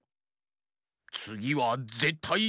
つぎはぜったい。